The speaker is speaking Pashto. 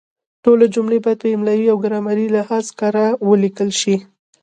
ټولې جملې باید په املایي او ګرامري لحاظ کره ولیکل شي.